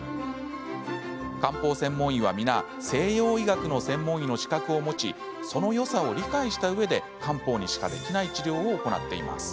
漢方専門医は皆西洋医学の専門医の資格を持ちそのよさを理解したうえで漢方にしかできない治療を行っています。